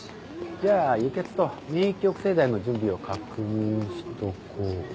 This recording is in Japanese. じゃあ輸血と免疫抑制剤の準備を確認しとこうか。